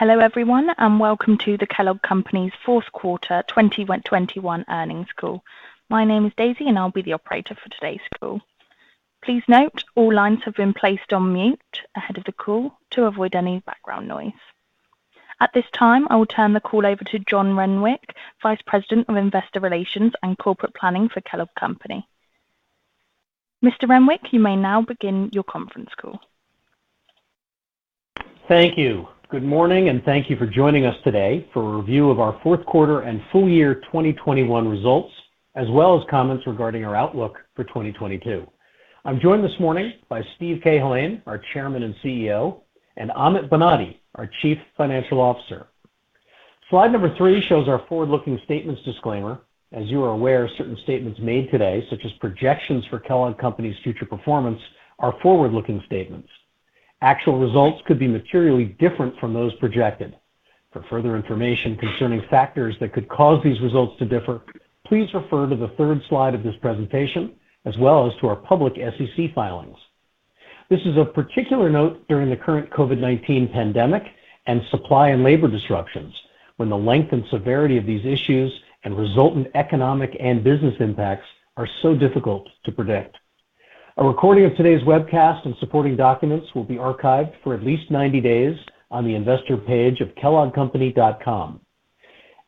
Hello everyone, and welcome to the Kellogg Company's fourth quarter 2021 earnings call. My name is Daisy, and I'll be the operator for today's call. Please note all lines have been placed on mute ahead of the call to avoid any background noise. At this time, I will turn the call over to John Renwick, Vice President of Investor Relations and Corporate Planning for Kellogg Company. Mr. Renwick, you may now begin your conference call. Thank you. Good morning, and thank you for joining us today for a review of our fourth quarter and full year 2021 results, as well as comments regarding our outlook for 2022. I'm joined this morning by Steve Cahillane, our Chairman and CEO, and Amit Banati, our Chief Financial Officer. Slide number three shows our forward-looking statements disclaimer. As you are aware, certain statements made today, such as projections for Kellogg Company's future performance, are forward-looking statements. Actual results could be materially different from those projected. For further information concerning factors that could cause these results to differ, please refer to the third slide of this presentation as well as to our public SEC filings. This is of particular note during the current COVID-19 pandemic and supply and labor disruptions, when the length and severity of these issues and resultant economic and business impacts are so difficult to predict. A recording of today's webcast and supporting documents will be archived for at least 90 days on the investor page of kelloggcompany.com.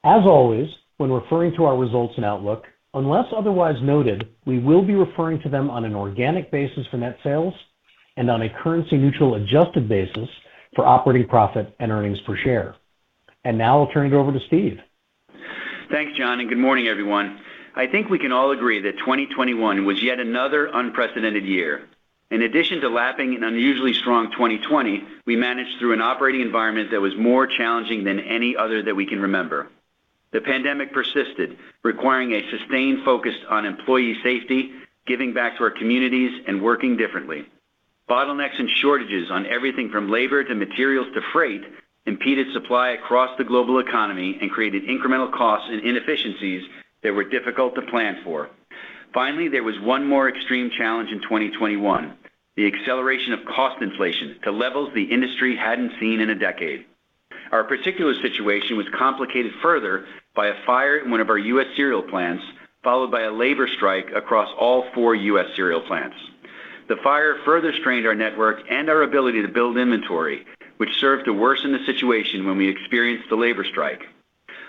As always, when referring to our results and outlook, unless otherwise noted, we will be referring to them on an organic basis for net sales and on a currency neutral adjusted basis for operating profit and earnings per share. Now I'll turn it over to Steve. Thanks, John, and good morning, everyone. I think we can all agree that 2021 was yet another unprecedented year. In addition to lapping an unusually strong 2020, we managed through an operating environment that was more challenging than any other that we can remember. The pandemic persisted, requiring a sustained focus on employee safety, giving back to our communities, and working differently. Bottlenecks and shortages on everything from labor to materials to freight impeded supply across the global economy and created incremental costs and inefficiencies that were difficult to plan for. Finally, there was one more extreme challenge in 2021, the acceleration of cost inflation to levels the industry hadn't seen in a decade. Our particular situation was complicated further by a fire in one of our U.S. cereal plants, followed by a labor strike across all four U.S. cereal plants. The fire further strained our network and our ability to build inventory, which served to worsen the situation when we experienced the labor strike.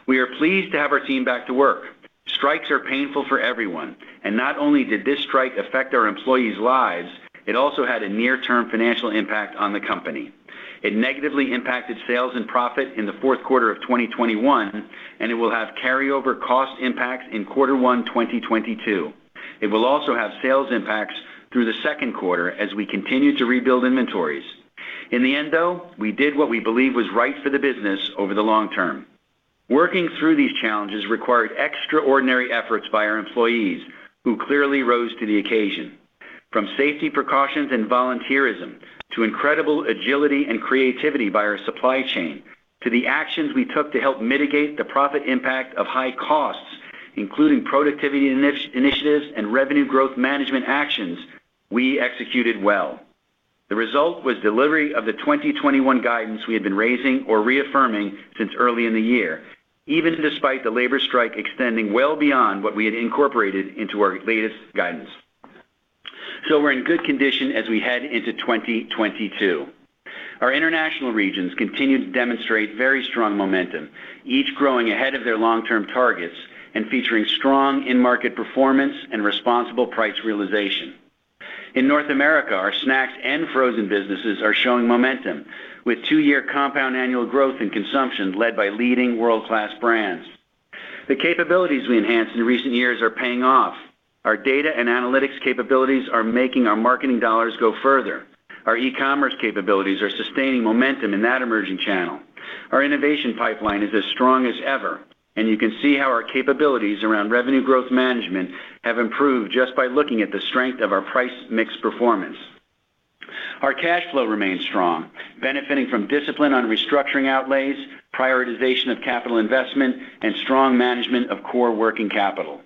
We are pleased to have our team back to work. Strikes are painful for everyone, and not only did this strike affect our employees' lives, it also had a near-term financial impact on the company. It negatively impacted sales and profit in the fourth quarter of 2021, and it will have carryover cost impacts in quarter one, 2022. It will also have sales impacts through the second quarter as we continue to rebuild inventories. In the end, though, we did what we believe was right for the business over the long term. Working through these challenges required extraordinary efforts by our employees, who clearly rose to the occasion. From safety precautions and volunteerism to incredible agility and creativity by our supply chain, to the actions we took to help mitigate the profit impact of high costs, including productivity initiatives and revenue growth management actions, we executed well. The result was delivery of the 2021 guidance we had been raising or reaffirming since early in the year, even despite the labor strike extending well beyond what we had incorporated into our latest guidance. We're in good condition as we head into 2022. Our international regions continue to demonstrate very strong momentum, each growing ahead of their long-term targets and featuring strong in-market performance and responsible price realization. In North America, our snacks and frozen businesses are showing momentum, with two-year compound annual growth in consumption led by leading world-class brands. The capabilities we enhanced in recent years are paying off. Our data and analytics capabilities are making our marketing dollars go further. Our e-commerce capabilities are sustaining momentum in that emerging channel. Our innovation pipeline is as strong as ever, and you can see how our capabilities around revenue growth management have improved just by looking at the strength of our price mix performance. Our cash flow remains strong, benefiting from discipline on restructuring outlays, prioritization of capital investment, and strong management of core working capital.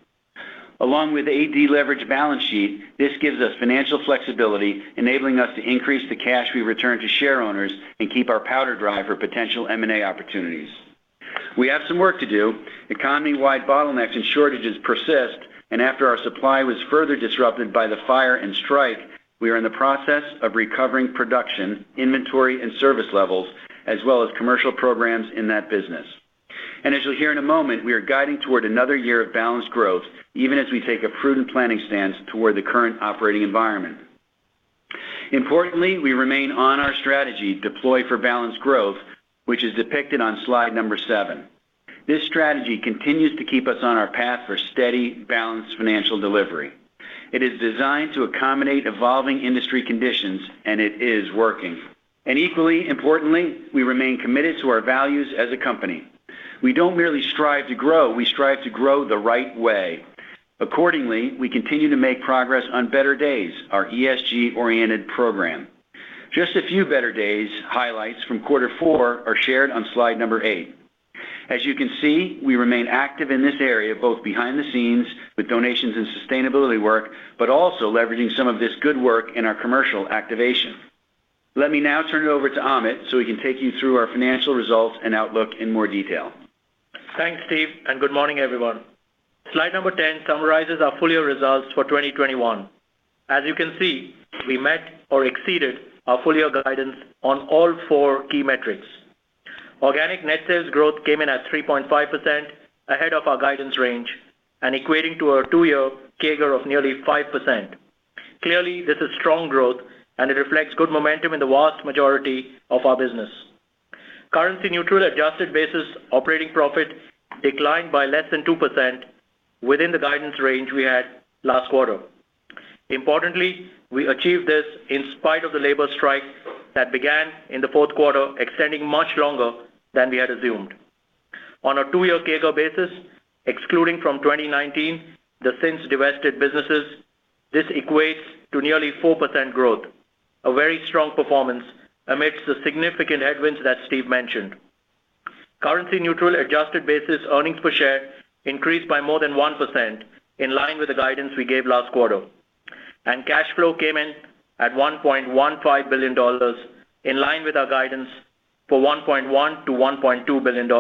Along with a deleveraged balance sheet, this gives us financial flexibility, enabling us to increase the cash we return to shareowners and keep our powder dry for potential M&A opportunities. We have some work to do. Economy-wide bottlenecks and shortages persist, and after our supply was further disrupted by the fire and strike, we are in the process of recovering production, inventory, and service levels, as well as commercial programs in that business. As you'll hear in a moment, we are guiding toward another year of balanced growth, even as we take a prudent planning stance toward the current operating environment. Importantly, we remain on our strategy, Deploy for Balanced Growth, which is depicted on slide number seven. This strategy continues to keep us on our path for steady, balanced financial delivery. It is designed to accommodate evolving industry conditions, and it is working. Equally importantly, we remain committed to our values as a company. We don't merely strive to grow, we strive to grow the right way. Accordingly, we continue to make progress on Better Days, our ESG-oriented program. Just a few Better Days highlights from quarter four are shared on slide number eight. As you can see, we remain active in this area, both behind the scenes with donations and sustainability work, but also leveraging some of this good work in our commercial activation. Let me now turn it over to Amit so he can take you through our financial results and outlook in more detail. Thanks, Steve, and good morning, everyone. Slide 10 summarizes our full year results for 2021. As you can see, we met or exceeded our full year guidance on all four key metrics. Organic net sales growth came in at 3.5% ahead of our guidance range and equating to a two-year CAGR of nearly 5%. Clearly, this is strong growth, and it reflects good momentum in the vast majority of our business. Currency neutral adjusted basis operating profit declined by less than 2% within the guidance range we had last quarter. Importantly, we achieved this in spite of the labor strike that began in the fourth quarter, extending much longer than we had assumed. On a two-year CAGR basis, excluding from 2019 the since divested businesses, this equates to nearly 4% growth, a very strong performance amidst the significant headwinds that Steve mentioned. Currency-neutral adjusted-basis earnings per share increased by more than 1% in line with the guidance we gave last quarter. Cash flow came in at $1.15 billion in line with our guidance for $1.1 billion-$1.2 billion.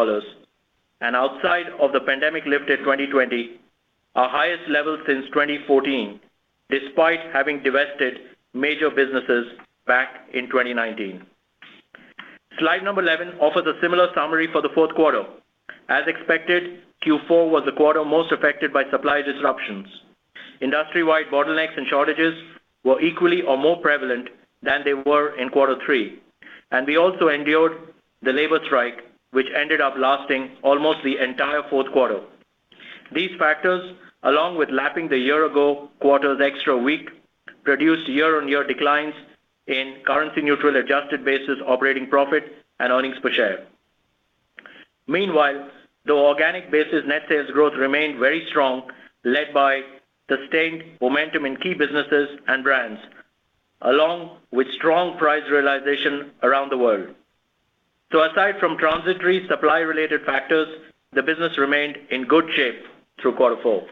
Outside of the pandemic-lifted 2020, our highest level since 2014, despite having divested major businesses back in 2019. Slide 11 offers a similar summary for the fourth quarter. As expected, Q4 was the quarter most affected by supply disruptions. Industry-wide bottlenecks and shortages were equally or more prevalent than they were in quarter three. We also endured the labor strike, which ended up lasting almost the entire fourth quarter. These factors, along with lapping the year-ago quarter's extra week, produced year-on-year declines in currency neutral adjusted basis operating profit and earnings per share. Meanwhile, the organic basis net sales growth remained very strong, led by sustained momentum in key businesses and brands, along with strong price realization around the world. Aside from transitory supply related factors, the business remained in good shape through quarter four.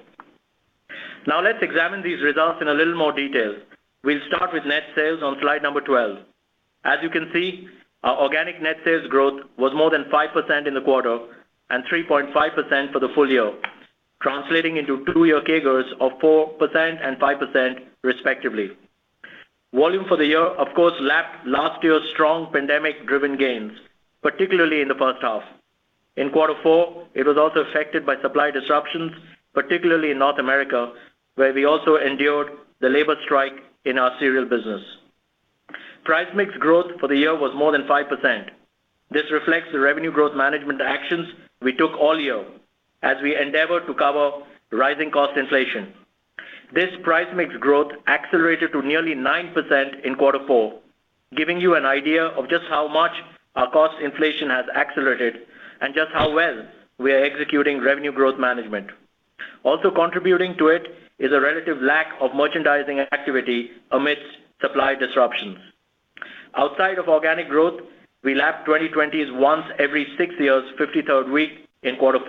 Now let's examine these results in a little more detail. We'll start with net sales on slide number 12. As you can see, our organic net sales growth was more than 5% in the quarter and 3.5% for the full year, translating into two-year CAGRs of 4% and 5%, respectively. Volume for the year, of course, lapped last year's strong pandemic-driven gains, particularly in the first half. In quarter four, it was also affected by supply disruptions, particularly in North America, where we also endured the labor strike in our cereal business. Price mix growth for the year was more than 5%. This reflects the revenue growth management actions we took all year as we endeavor to cover rising cost inflation. This price mix growth accelerated to nearly 9% in quarter four, giving you an idea of just how much our cost inflation has accelerated and just how well we are executing revenue growth management. Also contributing to it is a relative lack of merchandising activity amidst supply disruptions. Outside of organic growth, we lapped 2020's once every six years, 53rd week in quarter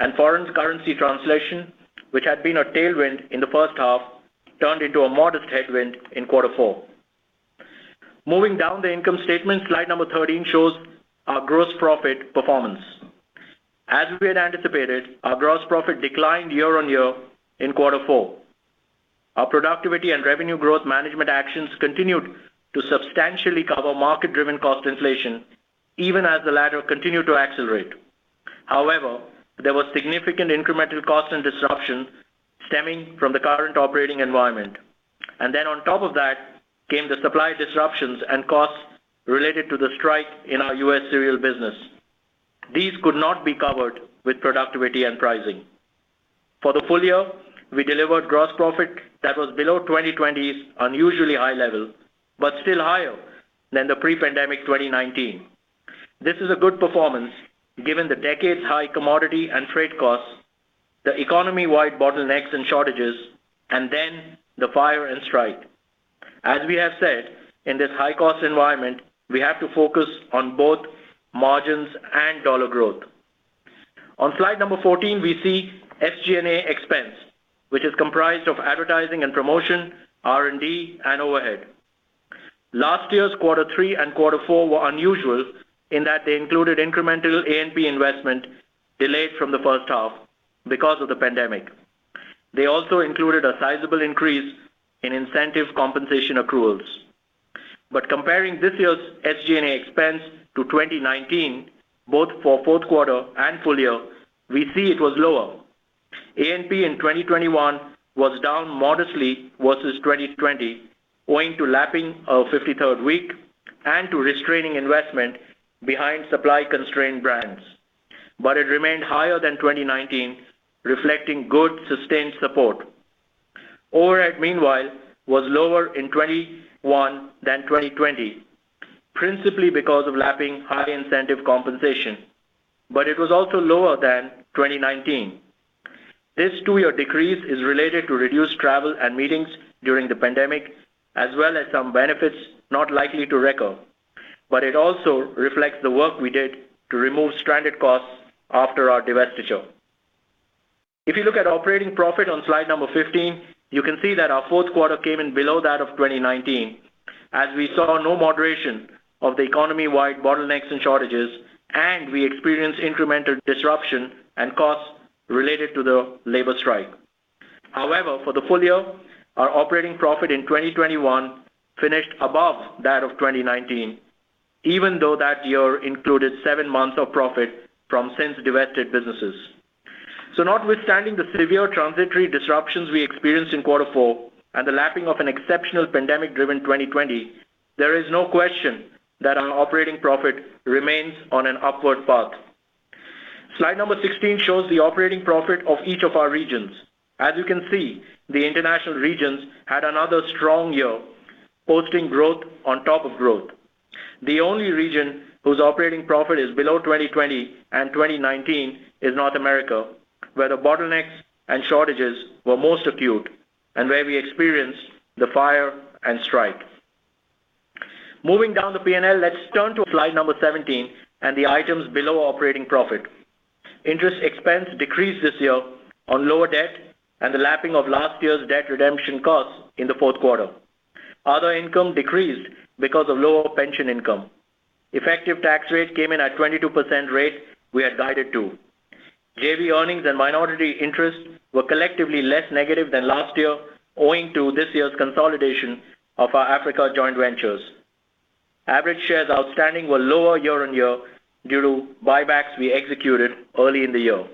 four. Foreign currency translation, which had been a tailwind in the first half, turned into a modest headwind in quarter four. Moving down the income statement, slide number 13 shows our gross profit performance. As we had anticipated, our gross profit declined year-on-year in quarter four. Our productivity and revenue growth management actions continued to substantially cover market-driven cost inflation, even as the latter continued to accelerate. However, there was significant incremental cost and disruption stemming from the current operating environment. On top of that came the supply disruptions and costs related to the strike in our U.S. cereal business. These could not be covered with productivity and pricing. For the full year, we delivered gross profit that was below 2020's unusually high level, but still higher than the pre-pandemic 2019. This is a good performance given the decade-high commodity and freight costs, the economy-wide bottlenecks and shortages, and then the fire and strike. As we have said, in this high-cost environment, we have to focus on both margins and dollar growth. On slide number 14, we see SG&A expense, which is comprised of advertising and promotion, R&D, and overhead. Last year's quarter three and quarter four were unusual in that they included incremental A&P investment delayed from the first half because of the pandemic. They also included a sizable increase in incentive compensation accruals. Comparing this year's SG&A expense to 2019, both for fourth quarter and full year, we see it was lower. A&P in 2021 was down modestly versus 2020 owing to lapping our 53rd week and to restraining investment behind supply-constrained brands. It remained higher than 2019, reflecting good sustained support. Overhead, meanwhile, was lower in 2021 than 2020, principally because of lapping high incentive compensation. It was also lower than 2019. This two-year decrease is related to reduced travel and meetings during the pandemic, as well as some benefits not likely to recur. It also reflects the work we did to remove stranded costs after our divestiture. If you look at operating profit on slide number 15, you can see that our fourth quarter came in below that of 2019 as we saw no moderation of the economy-wide bottlenecks and shortages, and we experienced incremental disruption and costs related to the labor strike. However, for the full year, our operating profit in 2021 finished above that of 2019, even though that year included seven months of profit from since-divested businesses. Notwithstanding the severe transitory disruptions we experienced in quarter four and the lapping of an exceptional pandemic-driven 2020, there is no question that our operating profit remains on an upward path. Slide 16 shows the operating profit of each of our regions. As you can see, the international regions had another strong year, posting growth on top of growth. The only region whose operating profit is below 2020 and 2019 is North America, where the bottlenecks and shortages were most acute and where we experienced the fire and strike. Moving down the P&L, let's turn to slide 17 and the items below operating profit. Interest expense decreased this year on lower debt and the lapping of last year's debt redemption costs in the fourth quarter. Other income decreased because of lower pension income. Effective tax rate came in at 22%, the rate we had guided to. JV earnings and minority interests were collectively less negative than last year, owing to this year's consolidation of our Africa joint ventures. Average shares outstanding were lower year-on-year due to buybacks we executed early in the year.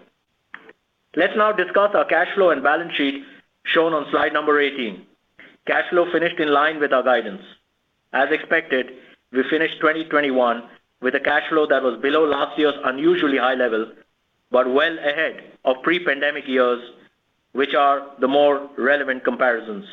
Let's now discuss our cash flow and balance sheet shown on slide 18. Cash flow finished in line with our guidance. As expected, we finished 2021 with a cash flow that was below last year's unusually high level, but well ahead of pre-pandemic years, which are the more relevant comparisons.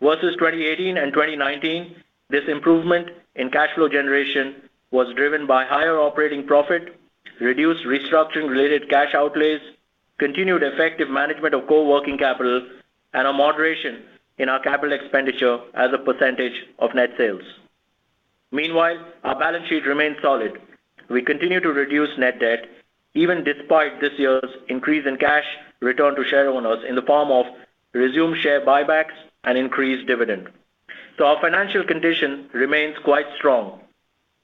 Versus 2018 and 2019, this improvement in cash flow generation was driven by higher operating profit, reduced restructuring-related cash outlays, continued effective management of working capital, and a moderation in our capital expenditure as a percentage of net sales. Meanwhile, our balance sheet remains solid. We continue to reduce net debt, even despite this year's increase in cash return to shareowners in the form of resumed share buybacks and increased dividend. Our financial condition remains quite strong.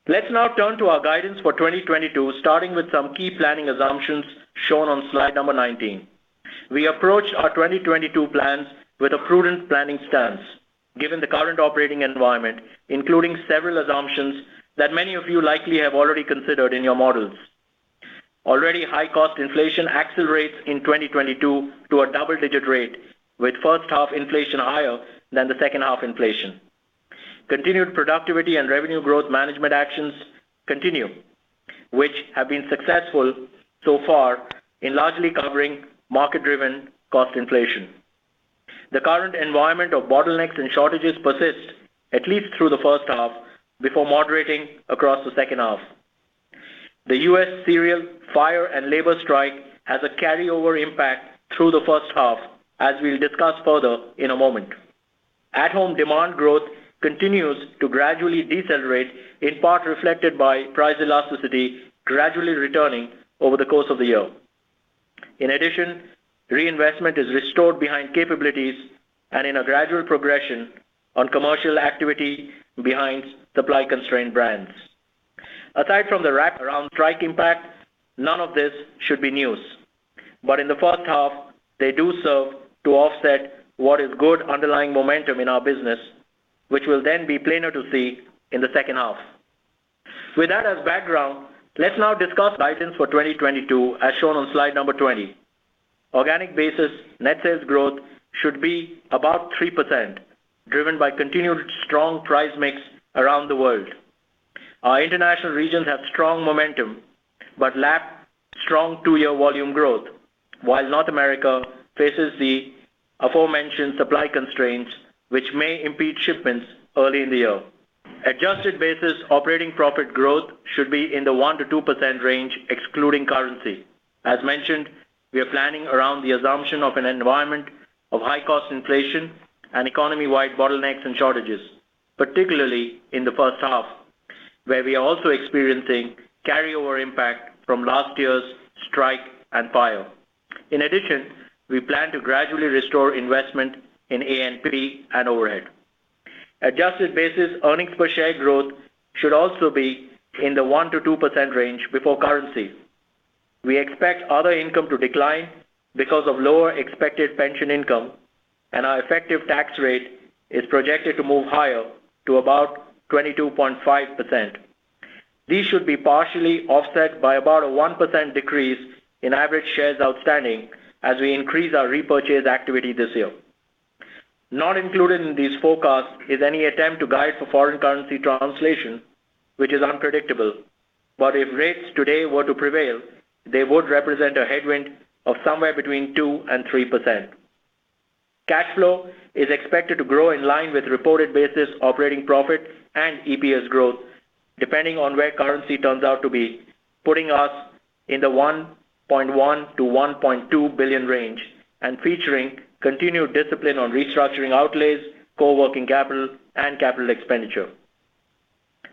Let's now turn to our guidance for 2022, starting with some key planning assumptions shown on slide number 19. We approach our 2022 plans with a prudent planning stance given the current operating environment, including several assumptions that many of you likely have already considered in your models. Already high cost inflation accelerates in 2022 to a double-digit rate, with first half inflation higher than the second half inflation. Continued productivity and revenue growth management actions continue, which have been successful so far in largely covering market-driven cost inflation. The current environment of bottlenecks and shortages persist at least through the first half before moderating across the second half. The U.S. cereal fire and labor strike has a carryover impact through the first half, as we'll discuss further in a moment. At-home demand growth continues to gradually decelerate, in part reflected by price elasticity gradually returning over the course of the year. In addition, reinvestment is restored behind capabilities and in a gradual progression on commercial activity behind supply-constrained brands. Aside from the wrap around strike impact, none of this should be news. In the first half, they do so to offset what is good underlying momentum in our business, which will then be plainer to see in the second half. With that as background, let's now discuss guidance for 2022 as shown on slide number 20. Organic basis net sales growth should be about 3%, driven by continued strong price mix around the world. Our international regions have strong momentum but lack strong two-year volume growth, while North America faces the aforementioned supply constraints, which may impede shipments early in the year. Adjusted basis operating profit growth should be in the 1%-2% range excluding currency. As mentioned, we are planning around the assumption of an environment of high cost inflation and economy-wide bottlenecks and shortages, particularly in the first half, where we are also experiencing carryover impact from last year's strike and fire. In addition, we plan to gradually restore investment in A&P and overhead. Adjusted basis earnings per share growth should also be in the 1%-2% range before currency. We expect other income to decline because of lower expected pension income, and our effective tax rate is projected to move higher to about 22.5%. These should be partially offset by about a 1% decrease in average shares outstanding as we increase our repurchase activity this year. Not included in these forecasts is any attempt to guide for foreign currency translation, which is unpredictable. If rates today were to prevail, they would represent a headwind of somewhere between 2%-3%. Cash flow is expected to grow in line with reported basis operating profit and EPS growth depending on where currency turns out to be, putting us in the $1.1 billion-$1.2 billion range and featuring continued discipline on restructuring outlays, core working capital and capital expenditure.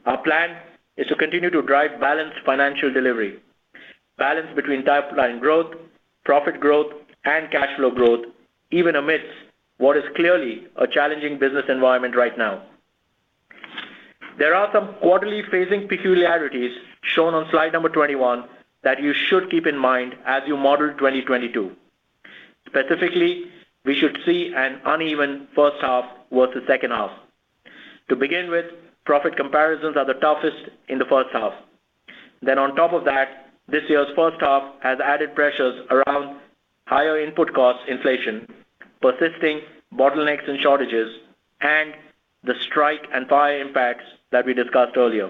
Our plan is to continue to drive balanced financial delivery, balance between top line growth, profit growth and cash flow growth, even amidst what is clearly a challenging business environment right now. There are some quarterly phasing peculiarities shown on slide number 21 that you should keep in mind as you model 2022. Specifically, we should see an uneven first half versus second half. To begin with, profit comparisons are the toughest in the first half. Then on top of that, this year's first half has added pressures around higher input costs inflation, persisting bottlenecks and shortages, and the strike and fire impacts that we discussed earlier.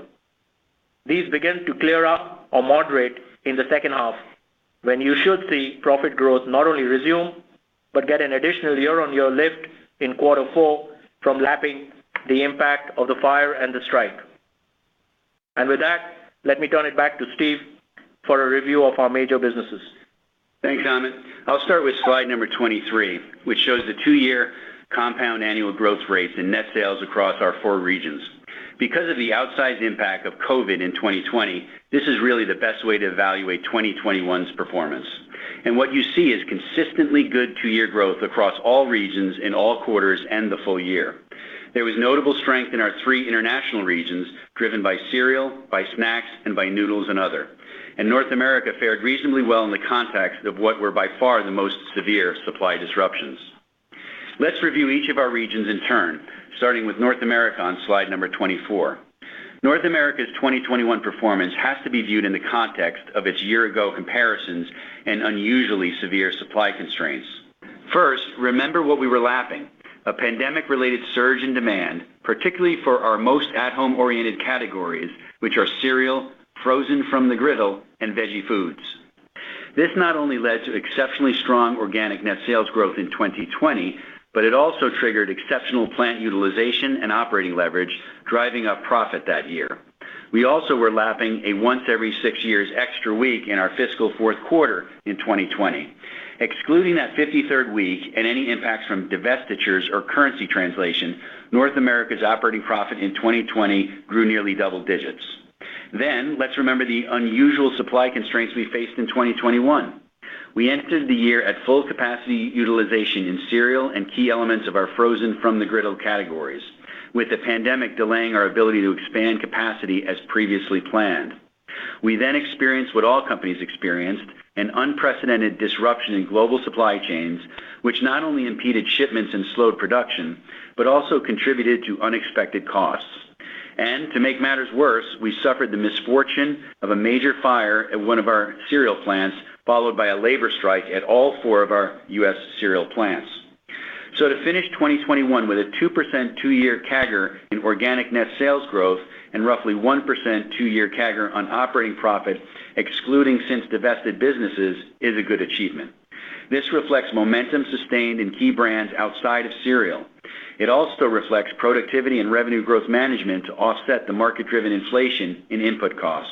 These begin to clear up or moderate in the second half when you should see profit growth not only resume, but get an additional year-on-year lift in quarter four from lapping the impact of the fire and the strike. With that, let me turn it back to Steve for a review of our major businesses. Thanks, Amit. I'll start with slide number 23, which shows the two-year compound annual growth rates in net sales across our four regions. Because of the outsized impact of COVID in 2020, this is really the best way to evaluate 2021's performance. What you see is consistently good two-year growth across all regions in all quarters and the full year. There was notable strength in our three international regions driven by cereal, by snacks, and by noodles and other. North America fared reasonably well in the context of what were by far the most severe supply disruptions. Let's review each of our regions in turn, starting with North America on slide number 24. North America's 2021 performance has to be viewed in the context of its year ago comparisons and unusually severe supply constraints. First, remember what we were lapping, a pandemic related surge in demand, particularly for our most at home oriented categories, which are cereal, frozen from the griddle, and veggie foods. This not only led to exceptionally strong organic net sales growth in 2020, but it also triggered exceptional plant utilization and operating leverage, driving up profit that year. We also were lapping a once every six years extra week in our fiscal fourth quarter in 2020. Excluding that 53rd week and any impacts from divestitures or currency translation, North America's operating profit in 2020 grew nearly double digits. Let's remember the unusual supply constraints we faced in 2021. We entered the year at full capacity utilization in cereal and key elements of our frozen from the griddle categories, with the pandemic delaying our ability to expand capacity as previously planned. We then experienced what all companies experienced, an unprecedented disruption in global supply chains, which not only impeded shipments and slowed production, but also contributed to unexpected costs. To make matters worse, we suffered the misfortune of a major fire at one of our cereal plants, followed by a labor strike at all four of our U.S. cereal plants. To finish 2021 with a 2% two-year CAGR in organic net sales growth and roughly 1% two-year CAGR on operating profit, excluding since divested businesses, is a good achievement. This reflects momentum sustained in key brands outside of cereal. It also reflects productivity and revenue growth management to offset the market-driven inflation in input costs.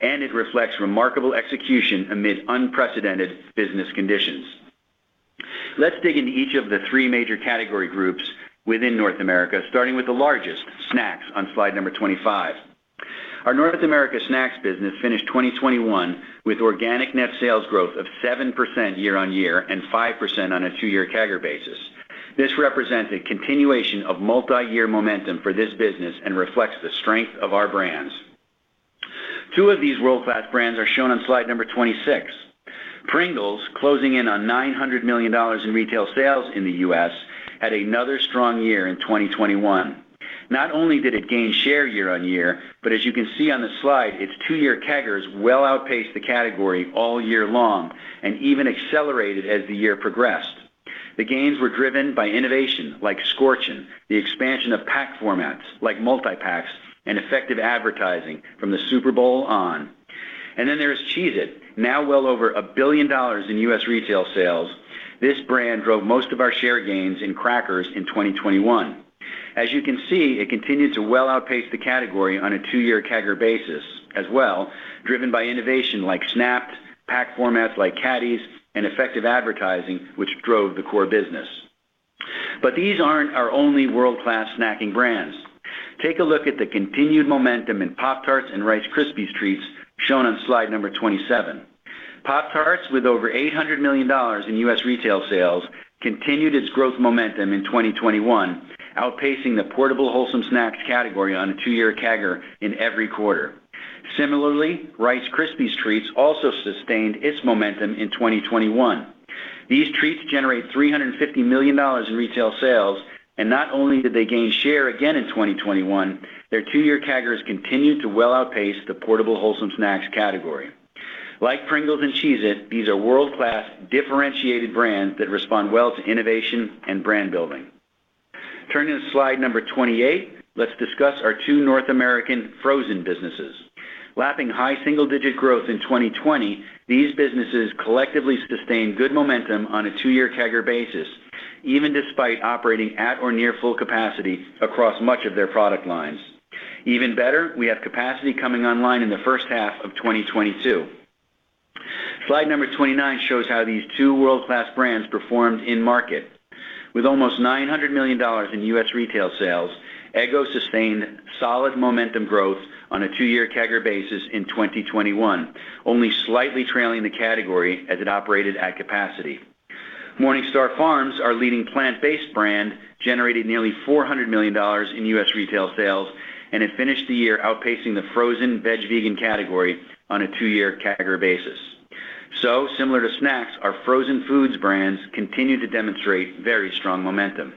It reflects remarkable execution amid unprecedented business conditions. Let's dig into each of the three major category groups within North America, starting with the largest, snacks, on slide number 25. Our North America snacks business finished 2021 with organic net sales growth of 7% year-over-year and 5% on a two-year CAGR basis. This represents a continuation of multi-year momentum for this business and reflects the strength of our brands. Two of these world-class brands are shown on slide 26. Pringles, closing in on $900 million in retail sales in the U.S., had another strong year in 2021. Not only did it gain share year-on-year, but as you can see on the slide, its two-year CAGR well outpaced the category all year long and even accelerated as the year progressed. The gains were driven by innovation like Scorchin, the expansion of pack formats like multi-packs, and effective advertising from the Super Bowl on. There is Cheez-It, now well over $1 billion in U.S. retail sales. This brand drove most of our share gains in crackers in 2021. As you can see, it continued to well outpace the category on a two-year CAGR basis as well, driven by innovation like Snap'd, pack formats like caddies, and effective advertising, which drove the core business. These aren't our only world-class snacking brands. Take a look at the continued momentum in Pop-Tarts and Rice Krispies Treats shown on slide 27. Pop-Tarts, with over $800 million in U.S. retail sales, continued its growth momentum in 2021, outpacing the portable wholesome snacks category on a two-year CAGR in every quarter. Similarly, Rice Krispies Treats also sustained its momentum in 2021. These treats generate $350 million in retail sales, and not only did they gain share again in 2021, their two-year CAGRs continued to well outpace the portable wholesome snacks category. Like Pringles and Cheez-It, these are world-class differentiated brands that respond well to innovation and brand building. Turning to slide number 28, let's discuss our two North American frozen businesses. Lapping high single-digit growth in 2020, these businesses collectively sustained good momentum on a two-year CAGR basis, even despite operating at or near full capacity across much of their product lines. Even better, we have capacity coming online in the first half of 2022. Slide number 29 shows how these two world-class brands performed in market. With almost $900 million in U.S. retail sales, Eggo sustained solid momentum growth on a two-year CAGR basis in 2021, only slightly trailing the category as it operated at capacity. MorningStar Farms, our leading plant-based brand, generated nearly $400 million in U.S. retail sales, and it finished the year outpacing the frozen veg/vegan category on a two-year CAGR basis. Similar to snacks, our frozen foods brands continue to demonstrate very strong momentum.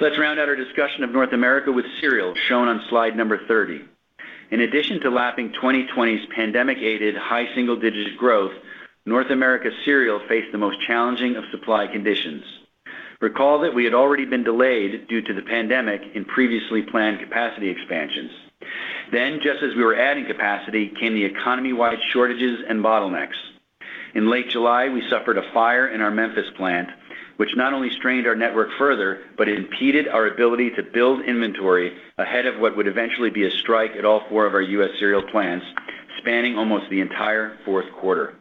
Let's round out our discussion of North America with cereal, shown on slide 30. In addition to lapping 2020's pandemic-aided high single-digit growth, North America cereal faced the most challenging of supply conditions. Recall that we had already been delayed due to the pandemic in previously planned capacity expansions. Just as we were adding capacity, came the economy-wide shortages and bottlenecks. In late July, we suffered a fire in our Memphis plant, which not only strained our network further, but impeded our ability to build inventory ahead of what would eventually be a strike at all four of our U.S. cereal plants, spanning almost the entire fourth quarter.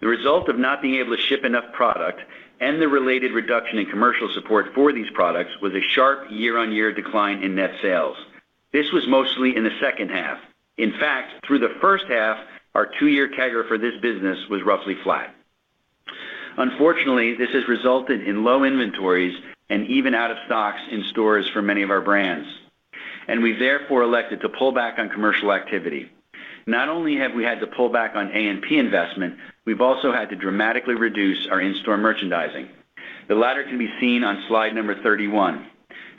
The result of not being able to ship enough product and the related reduction in commercial support for these products, was a sharp year-on-year decline in net sales. This was mostly in the second half. In fact, through the first half, our two-year CAGR for this business was roughly flat. Unfortunately, this has resulted in low inventories and even out of stocks in stores for many of our brands. We therefore elected to pull back on commercial activity. Not only have we had to pull back on A&P investment, we've also had to dramatically reduce our in-store merchandising. The latter can be seen on slide number 31.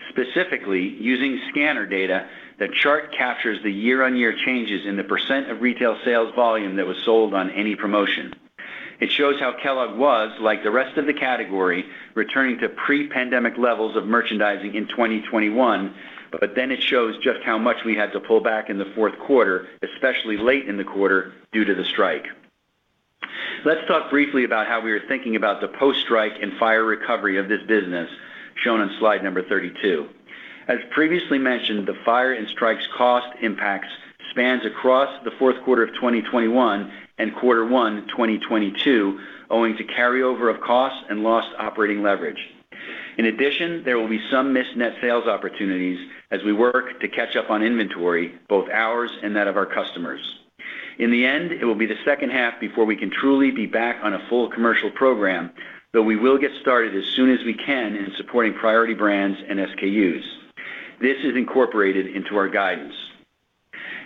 Specifically, using scanner data, the chart captures the year-on-year changes in the percent of retail sales volume that was sold on any promotion. It shows how Kellogg was, like the rest of the category, returning to pre-pandemic levels of merchandising in 2021, but then it shows just how much we had to pull back in the fourth quarter, especially late in the quarter, due to the strike. Let's talk briefly about how we are thinking about the post-strike and fire recovery of this business, shown on slide number 32. As previously mentioned, the fire and strike's cost impacts spans across the fourth quarter of 2021 and quarter one 2022 owing to carryover of costs and lost operating leverage. In addition, there will be some missed net sales opportunities as we work to catch up on inventory, both ours and that of our customers. In the end, it will be the second half before we can truly be back on a full commercial program, though we will get started as soon as we can in supporting priority brands and SKUs. This is incorporated into our guidance.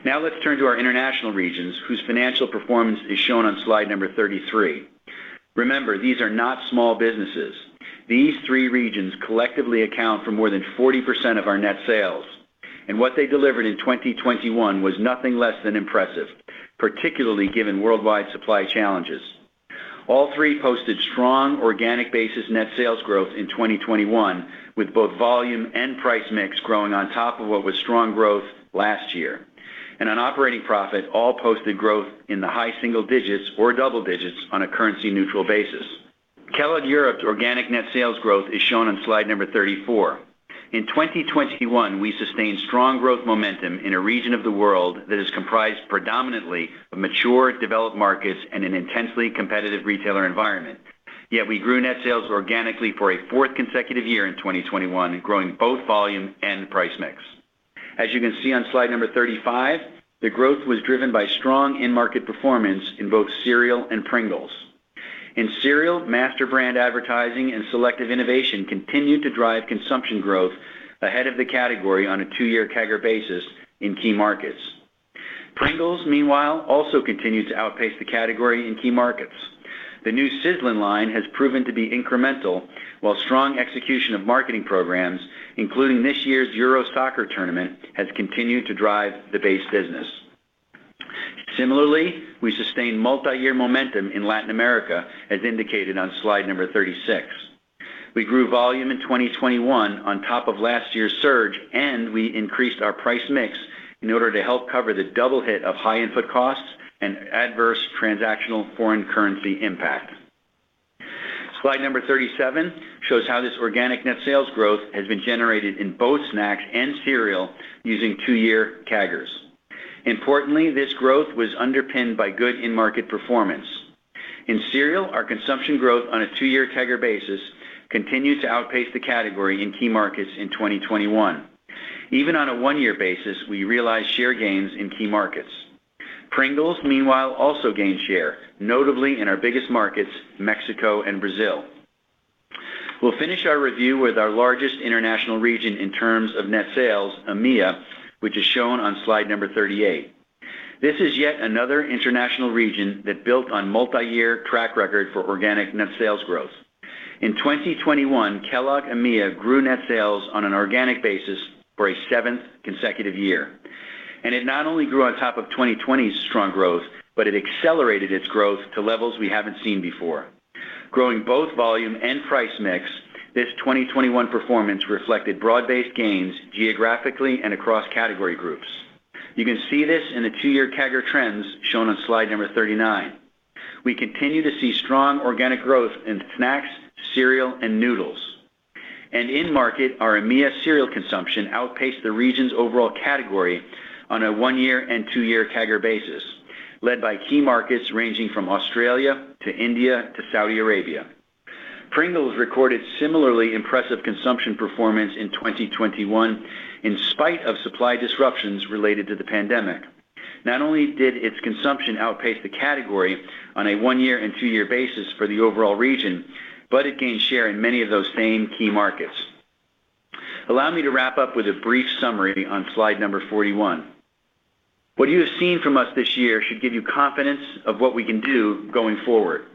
Now let's turn to our international regions, whose financial performance is shown on slide 33. Remember, these are not small businesses. These three regions collectively account for more than 40% of our net sales, and what they delivered in 2021 was nothing less than impressive, particularly given worldwide supply challenges. All three posted strong organic basis net sales growth in 2021, with both volume and price mix growing on top of what was strong growth last year. On operating profit, all posted growth in the high single digits or double digits on a currency neutral basis. Kellogg Europe's organic net sales growth is shown on slide number 34. In 2021, we sustained strong growth momentum in a region of the world that is comprised predominantly of mature, developed markets and an intensely competitive retailer environment. Yet we grew net sales organically for a fourth consecutive year in 2021, growing both volume and price mix. As you can see on slide number 35, the growth was driven by strong end market performance in both cereal and Pringles. In cereal, master brand advertising and selective innovation continued to drive consumption growth ahead of the category on a two-year CAGR basis in key markets. Pringles, meanwhile, also continued to outpace the category in key markets. The new Sizzl'n line has proven to be incremental, while strong execution of marketing programs, including this year's [UEFA Euro 2020], has continued to drive the base business. Similarly, we sustained multi-year momentum in Latin America, as indicated on slide number 36. We grew volume in 2021 on top of last year's surge, and we increased our price mix in order to help cover the double hit of high input costs and adverse transactional foreign currency impact. Slide number 37 shows how this organic net sales growth has been generated in both snacks and cereal using two-year CAGRs. Importantly, this growth was underpinned by good end market performance. In cereal, our consumption growth on a two-year CAGR basis continued to outpace the category in key markets in 2021. Even on a one-year basis, we realized share gains in key markets. Pringles, meanwhile, also gained share, notably in our biggest markets, Mexico and Brazil. We'll finish our review with our largest international region in terms of net sales, AMEA, which is shown on slide number 38. This is yet another international region that built on multi-year track record for organic net sales growth. In 2021, Kellogg AMEA grew net sales on an organic basis for a seventh consecutive year. It not only grew on top of 2020's strong growth, but it accelerated its growth to levels we haven't seen before. Growing both volume and price mix, this 2021 performance reflected broad-based gains geographically and across category groups. You can see this in the two-year CAGR trends shown on slide number 39. We continue to see strong organic growth in snacks, cereal and noodles. In market, our AMEA cereal consumption outpaced the region's overall category on a one-year and two-year CAGR basis, led by key markets ranging from Australia to India to Saudi Arabia. Pringles recorded similarly impressive consumption performance in 2021 in spite of supply disruptions related to the pandemic. Not only did its consumption outpace the category on a one-year and two-year basis for the overall region, but it gained share in many of those same key markets. Allow me to wrap up with a brief summary on slide number 41. What you have seen from us this year should give you confidence of what we can do going forward.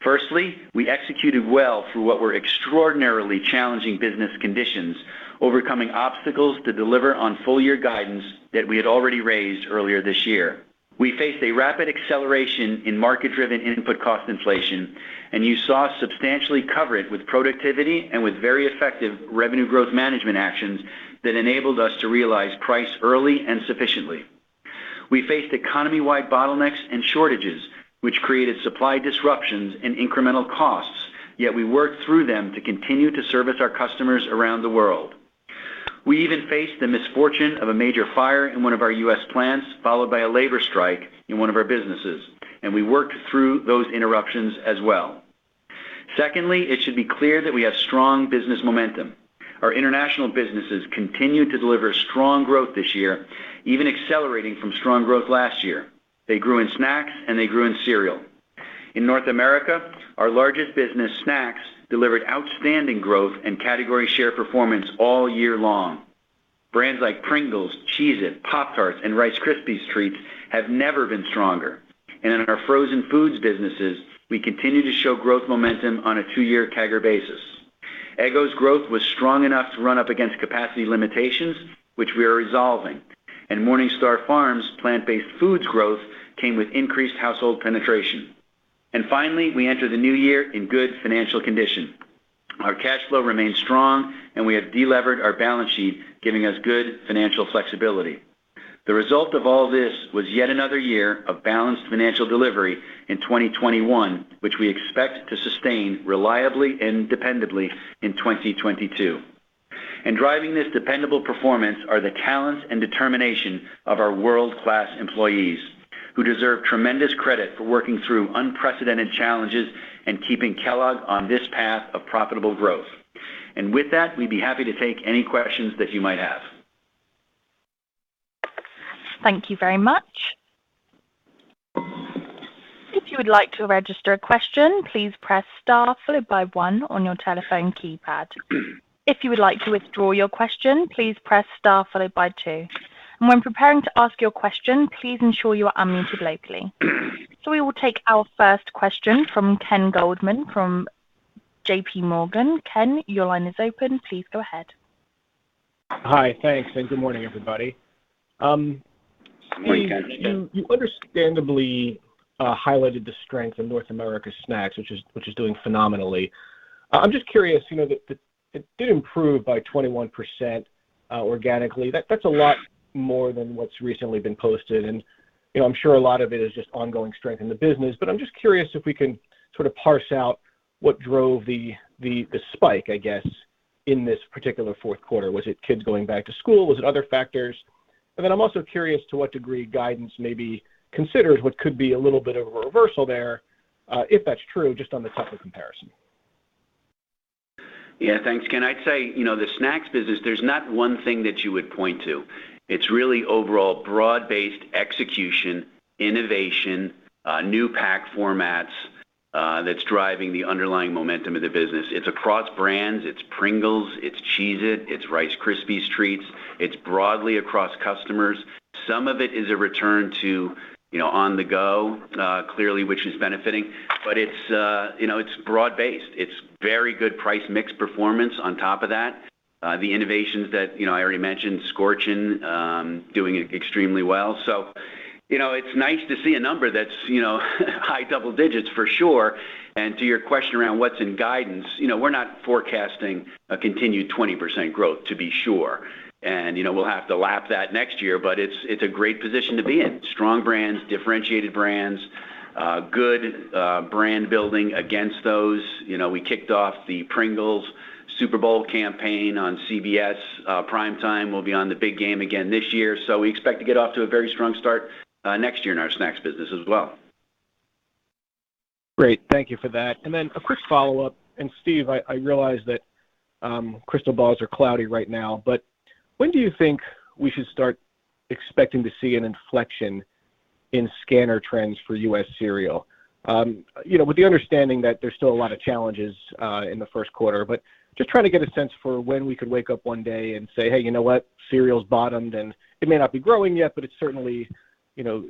Firstly, we executed well through what were extraordinarily challenging business conditions, overcoming obstacles to deliver on full year guidance that we had already raised earlier this year. We faced a rapid acceleration in market-driven input cost inflation, and you saw us substantially cover it with productivity and with very effective revenue growth management actions that enabled us to realize price early and sufficiently. We faced economy-wide bottlenecks and shortages, which created supply disruptions and incremental costs, yet we worked through them to continue to service our customers around the world. We even faced the misfortune of a major fire in one of our U.S. plants, followed by a labor strike in one of our businesses, and we worked through those interruptions as well. Secondly, it should be clear that we have strong business momentum. Our international businesses continued to deliver strong growth this year, even accelerating from strong growth last year. They grew in snacks and they grew in cereal. In North America, our largest business, snacks, delivered outstanding growth and category share performance all year long. Brands like Pringles, Cheez-It, Pop-Tarts, and Rice Krispies Treats have never been stronger. In our frozen foods businesses, we continue to show growth momentum on a two-year CAGR basis. Eggo's growth was strong enough to run up against capacity limitations, which we are resolving, and MorningStar Farms plant-based foods growth came with increased household penetration. Finally, we enter the new year in good financial condition. Our cash flow remains strong, and we have de-levered our balance sheet, giving us good financial flexibility. The result of all this was yet another year of balanced financial delivery in 2021, which we expect to sustain reliably and dependably in 2022. Driving this dependable performance are the talents and determination of our world-class employees, who deserve tremendous credit for working through unprecedented challenges and keeping Kellogg on this path of profitable growth. With that, we'd be happy to take any questions that you might have. Thank you very much. If you would like to register a question, please press star followed by one on your telephone keypad. If you would like to withdraw your question, please press star followed by two. When preparing to ask your question, please ensure you are unmuted locally. We will take our first question from Ken Goldman from JPMorgan. Ken, your line is open. Please go ahead. Hi. Thanks, and good morning, everybody. Steve, you understandably highlighted the strength of North America snacks, which is doing phenomenally. I'm just curious, it did improve by 21% organically. That's a lot more than what's recently been posted, and I'm sure a lot of it is just ongoing strength in the business. I'm just curious if we can sort of parse out what drove the spike, I guess, in this particular fourth quarter. Was it kids going back to school? Was it other factors? Then I'm also curious to what degree guidance maybe considers what could be a little bit of a reversal there, if that's true, just on the tougher comparison. Yeah. Thanks, Ken. I'd say, you know, the snacks business, there's not one thing that you would point to. It's really overall broad-based execution, innovation, new pack formats, that's driving the underlying momentum of the business. It's across brands. It's Pringles, it's Cheez-It, it's Rice Krispies Treats. It's broadly across customers. Some of it is a return to, you know, on-the-go, clearly, which is benefiting. But it's, you know, it's broad-based. It's very good price mix performance on top of that. The innovations that, you know, I already mentioned, Scorchin, doing extremely well. So, you know, it's nice to see a number that's, you know, high double digits for sure. To your question around what's in guidance, you know, we're not forecasting a continued 20% growth, to be sure. You know, we'll have to lap that next year, but it's a great position to be in, strong brands, differentiated brands, good brand building against those. You know, we kicked off the Pringles Super Bowl campaign on CBS primetime. We'll be on the big game again this year. We expect to get off to a very strong start next year in our snacks business as well. Great. Thank you for that. Then a quick follow-up. Steve, I realize that crystal balls are cloudy right now, but when do you think we should start expecting to see an inflection in scanner trends for U.S. Cereal? You know, with the understanding that there's still a lot of challenges in the first quarter, but just trying to get a sense for when we could wake up one day and say, hey, you know what? Cereal's bottomed, and it may not be growing yet, but it's certainly, you know,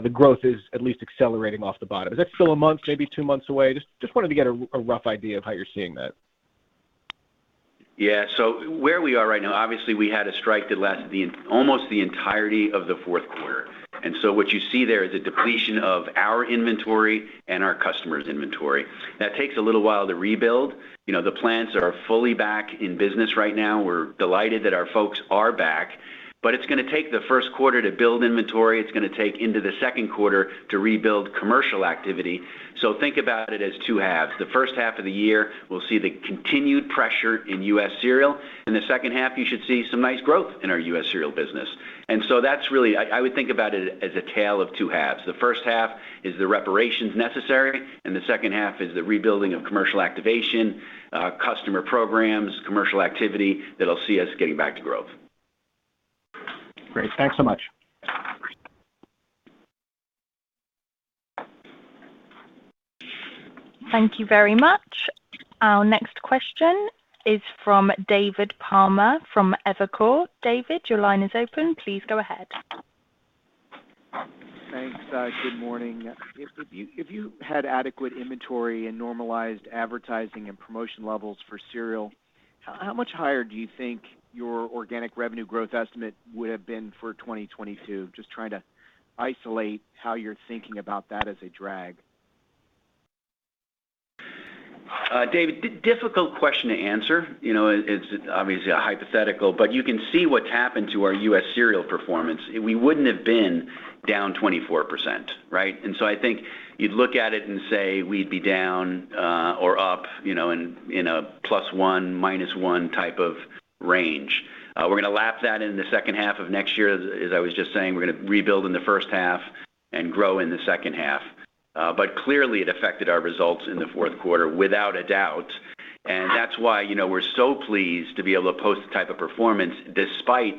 the growth is at least accelerating off the bottom. Is that still a month, maybe two months away? Just wanted to get a rough idea of how you're seeing that. Yeah. Where we are right now, obviously, we had a strike that lasted almost the entirety of the fourth quarter. What you see there is a depletion of our inventory and our customers' inventory. That takes a little while to rebuild. You know, the plants are fully back in business right now. We're delighted that our folks are back, but it's gonna take the first quarter to build inventory. It's gonna take into the second quarter to rebuild commercial activity. Think about it as two halves. The first half of the year, we'll see the continued pressure in U.S. Cereal. In the second half, you should see some nice growth in our U.S. Cereal business. That's really. I would think about it as a tale of two halves. The first half is the reparations necessary, and the second half is the rebuilding of commercial activation, customer programs, commercial activity that'll see us getting back to growth. Great. Thanks so much. Thank you very much. Our next question is from David Palmer from Evercore. David, your line is open. Please go ahead. Thanks. Good morning. If you had adequate inventory and normalized advertising and promotion levels for cereal, how much higher do you think your organic revenue growth estimate would have been for 2022? Just trying to isolate how you're thinking about that as a drag. David, difficult question to answer. You know, it's obviously a hypothetical, but you can see what's happened to our U.S. Cereal performance. We wouldn't have been down 24%, right? I think you'd look at it and say we'd be down or up, you know, in a +1, -1 type of range. We're gonna lap that in the second half of next year. As I was just saying, we're gonna rebuild in the first half and grow in the second half. But clearly it affected our results in the fourth quarter, without a doubt. That's why, you know, we're so pleased to be able to post the type of performance despite,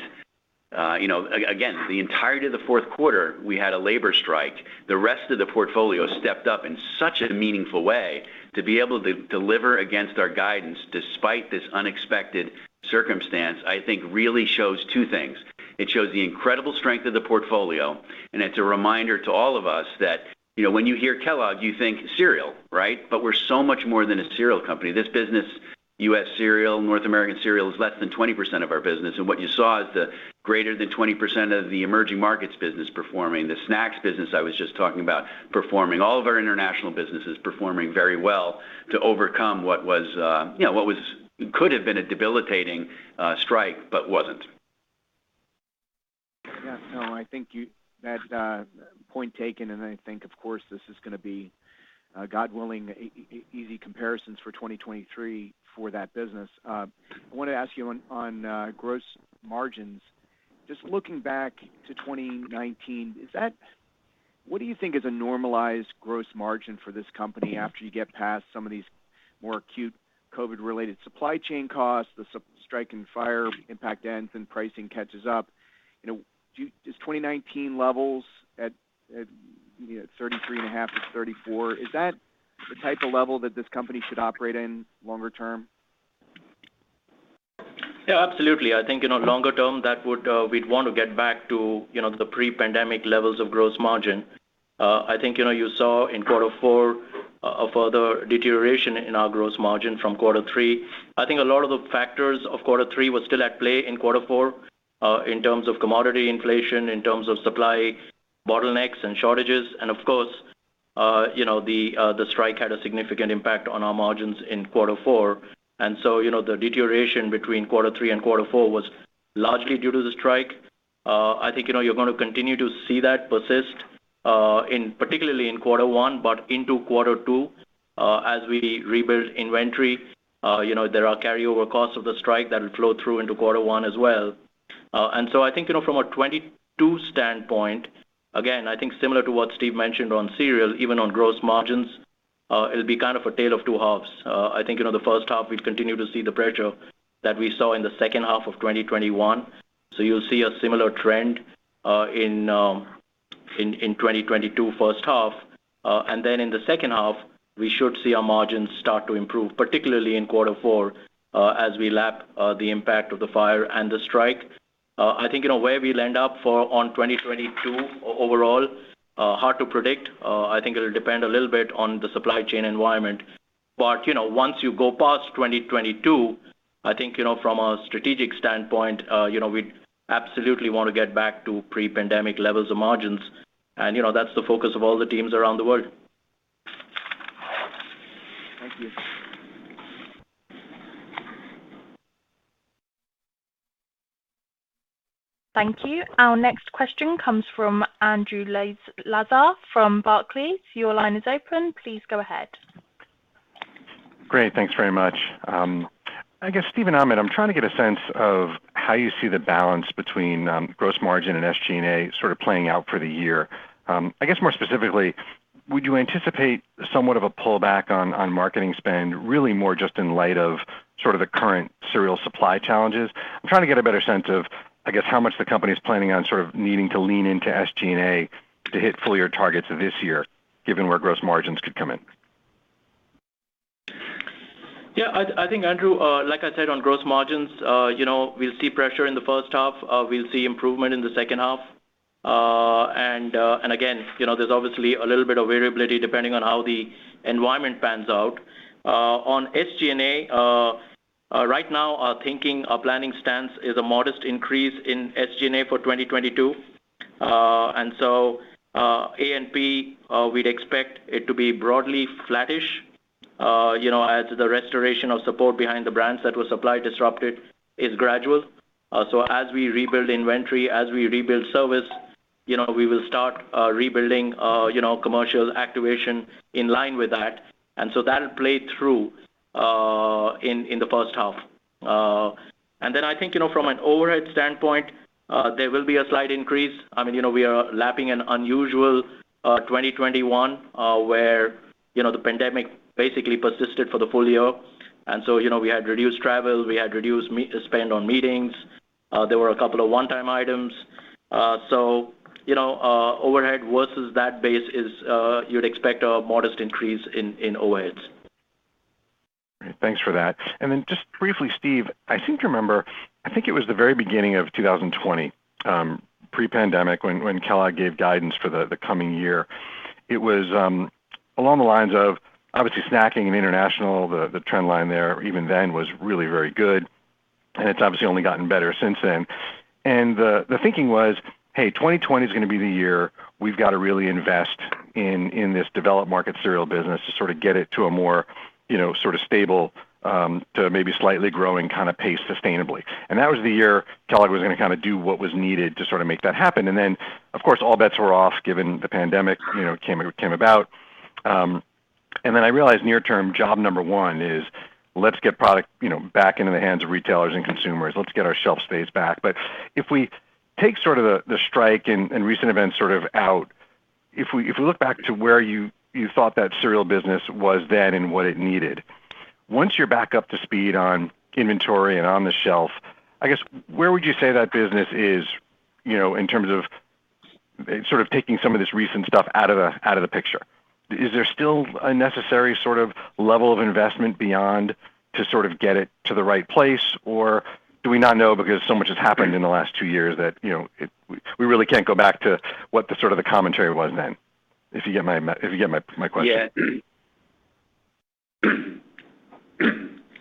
you know, again, the entirety of the fourth quarter, we had a labor strike. The rest of the portfolio stepped up in such a meaningful way to be able to deliver against our guidance despite this unexpected circumstance, I think really shows two things. It shows the incredible strength of the portfolio, and it's a reminder to all of us that, you know, when you hear Kellogg, you think cereal, right? We're so much more than a cereal company. This business, U.S. Cereal, North American Cereal, is less than 20% of our business. What you saw is the greater than 20% of the emerging markets business performing, the snacks business I was just talking about performing, all of our international businesses performing very well to overcome what could have been a debilitating strike, but wasn't. No, I think that, point taken. And I think, of course, this is gonna be, God willing, easy comparisons for 2023 for that business. I wanna ask you on gross margins. Just looking back to 2019, what do you think is a normalized gross margin for this company after you get past some of these more acute COVID-related supply chain costs, the strike and fire impact ends and pricing catches up? You know, is 2019 levels at 33.5%-34%, is that the type of level that this company should operate in longer term? Yeah, absolutely. I think, you know, longer term, we'd want to get back to, you know, the pre-pandemic levels of gross margin. I think, you know, you saw in quarter four a further deterioration in our gross margin from quarter three. I think a lot of the factors of quarter three were still at play in quarter four, in terms of commodity inflation, in terms of supply bottlenecks and shortages. Of course, you know, the strike had a significant impact on our margins in quarter four. You know, the deterioration between quarter three and quarter four was largely due to the strike. I think, you know, you're gonna continue to see that persist, particularly in quarter one, but into quarter two, as we rebuild inventory. You know, there are carryover costs of the strike that will flow through into quarter one as well. I think, you know, from a 2022 standpoint, again, I think similar to what Steve mentioned on cereal, even on gross margins, it'll be kind of a tale of two halves. I think, you know, the first half, we've continued to see the pressure that we saw in the second half of 2021. You'll see a similar trend in 2022 first half. In the second half, we should see our margins start to improve, particularly in quarter four, as we lap the impact of the fire and the strike. I think, you know, where we'll end up on 2022 overall, hard to predict. I think it'll depend a little bit on the supply chain environment. You know, once you go past 2022, I think, you know, from a strategic standpoint, you know, we absolutely wanna get back to pre-pandemic levels of margins. You know, that's the focus of all the teams around the world. Thank you. Thank you. Our next question comes from Andrew Lazar from Barclays. Your line is open. Please go ahead. Great. Thanks very much. I guess, Steve and Amit, I'm trying to get a sense of how you see the balance between, gross margin and SG&A sort of playing out for the year. I guess more specifically, would you anticipate somewhat of a pullback on marketing spend, really more just in light of sort of the current cereal supply challenges? I'm trying to get a better sense of, I guess, how much the company is planning on sort of needing to lean into SG&A to hit full-year targets this year, given where gross margins could come in. Yeah. I think, Andrew, like I said, on gross margins, you know, we'll see pressure in the first half. We'll see improvement in the second half. Again, you know, there's obviously a little bit of variability depending on how the environment pans out. On SG&A, right now our thinking, our planning stance is a modest increase in SG&A for 2022. A&P, we'd expect it to be broadly flattish, you know, as the restoration of support behind the brands that were supply disrupted is gradual. As we rebuild inventory, as we rebuild service, you know, we will start rebuilding, you know, commercial activation in line with that. That'll play through in the first half. I think, you know, from an overhead standpoint, there will be a slight increase. I mean, you know, we are lapping an unusual 2021, where, you know, the pandemic basically persisted for the full year. You know, we had reduced travel, we had reduced meeting spend on meetings. There were a couple of one-time items. Overhead versus that base, you'd expect a modest increase in overheads. Great. Thanks for that. Then just briefly, Steve, I seem to remember, I think it was the very beginning of 2020, pre-pandemic when Kellogg gave guidance for the coming year. It was along the lines of obviously snacking and international, the trend line there even then was really very good, and it's obviously only gotten better since then. The thinking was, hey, 2020 is gonna be the year we've got to really invest in this developed market cereal business to sort of get it to a more, you know, sort of stable, to maybe slightly growing kind of pace sustainably. That was the year Kellogg was gonna kind of do what was needed to sort of make that happen. Then, of course, all bets were off given the pandemic, you know, came about. I realized near term, job number one is let's get product, you know, back into the hands of retailers and consumers. Let's get our shelf space back. If we take sort of the strike and recent events sort of out, if we look back to where you thought that cereal business was then and what it needed, once you're back up to speed on inventory and on the shelf, I guess where would you say that business is, you know, in terms of sort of taking some of this recent stuff out of the picture? Is there still a necessary sort of level of investment beyond to sort of get it to the right place? Do we not know because so much has happened in the last two years that, you know, we really can't go back to what the sort of the commentary was then? If you get my question. Yeah.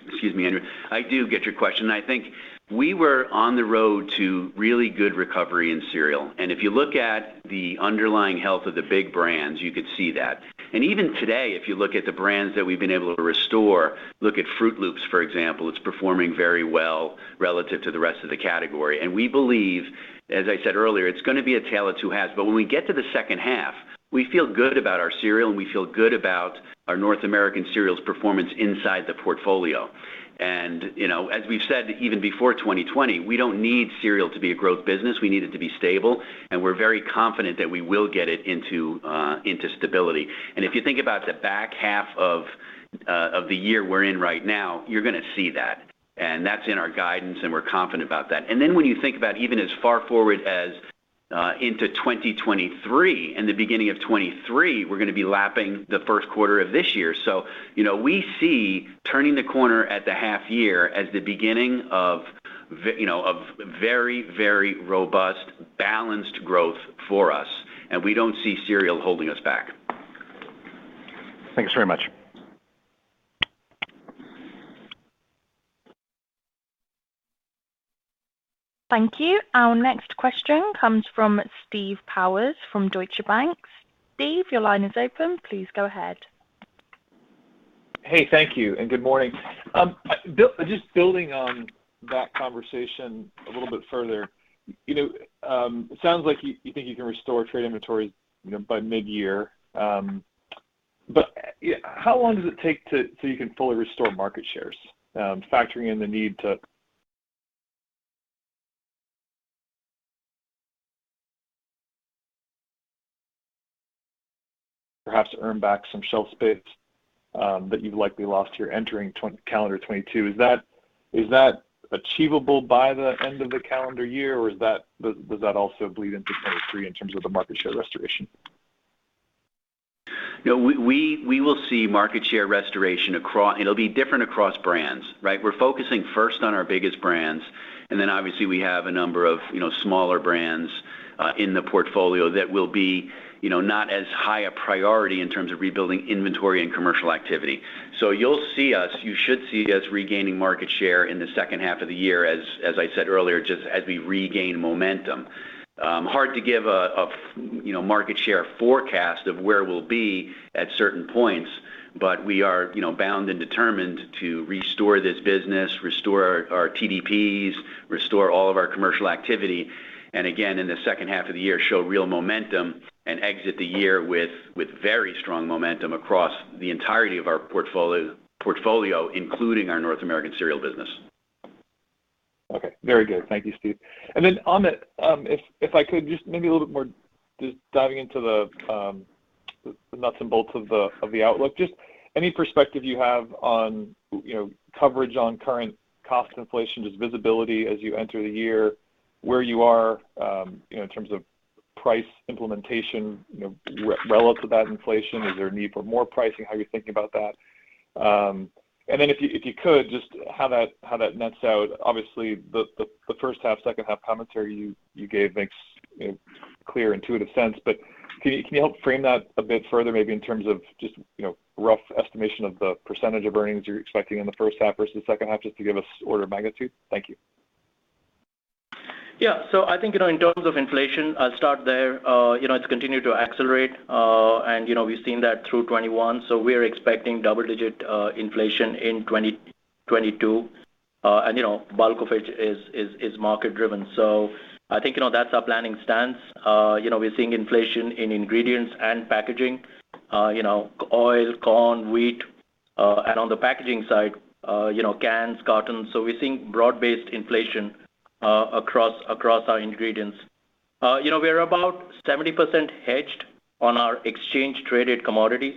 Excuse me, Andrew. I do get your question. I think we were on the road to really good recovery in cereal. If you look at the underlying health of the big brands, you could see that. Even today, if you look at the brands that we've been able to restore, look at Froot Loops, for example, it's performing very well relative to the rest of the category. We believe, as I said earlier, it's gonna be a tale of two halves. When we get to the second half, we feel good about our cereal, and we feel good about our North American cereals performance inside the portfolio. You know, as we've said even before 2020, we don't need cereal to be a growth business. We need it to be stable, and we're very confident that we will get it into stability. If you think about the back half of the year we're in right now, you're gonna see that. That's in our guidance, and we're confident about that. When you think about even as far forward as into 2023 and the beginning of 2023, we're gonna be lapping the first quarter of this year. You know, we see turning the corner at the half year as the beginning of you know, a very, very robust, balanced growth for us, and we don't see cereal holding us back. Thanks very much. Thank you. Our next question comes from Steve Powers from Deutsche Bank. Steve, your line is open. Please go ahead. Hey, thank you and good morning. Just building on that conversation a little bit further, you know, it sounds like you think you can restore trade inventories, you know, by mid-year, but how long does it take so you can fully restore market shares, factoring in the need to perhaps earn back some shelf space that you've likely lost here entering calendar 2022? Is that achievable by the end of the calendar year, or does that also bleed into 2023 in terms of the market share restoration? You know, we will see market share restoration across. It'll be different across brands, right? We're focusing first on our biggest brands, and then obviously we have a number of, you know, smaller brands in the portfolio that will be, you know, not as high a priority in terms of rebuilding inventory and commercial activity. So you'll see us, you should see us regaining market share in the second half of the year, as I said earlier, just as we regain momentum. Hard to give a market share forecast of where we'll be at certain points, but we are, you know, bound and determined to restore this business, restore our TDPs, restore all of our commercial activity, and again, in the second half of the year, show real momentum and exit the year with very strong momentum across the entirety of our portfolio, including our North American cereal business. Okay. Very good. Thank you, Steve. Amit, if I could just maybe a little bit more just diving into the nuts and bolts of the outlook, just any perspective you have on, you know, coverage on current cost inflation, just visibility as you enter the year, where you are, you know, in terms of price implementation, you know, relative to that inflation. Is there a need for more pricing? How are you thinking about that? If you could just how that nets out. Obviously the first half, second half commentary you gave makes, you know, clear intuitive sense. Can you help frame that a bit further, maybe in terms of just, you know, rough estimation of the percentage of earnings you're expecting in the first half versus second half, just to give us order of magnitude? Thank you. Yeah. I think, you know, in terms of inflation, I'll start there. You know, it's continued to accelerate, and you know, we've seen that through 2021, so we're expecting double-digit inflation in 2022. You know, bulk of it is market driven. I think, you know, that's our planning stance. You know, we're seeing inflation in ingredients and packaging, you know, oil, corn, wheat, and on the packaging side, you know, cans, cartons. We're seeing broad-based inflation across our ingredients. You know, we are about 70% hedged on our exchange traded commodities.